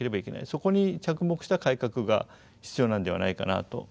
そこに着目した改革が必要なんではないかなと思います。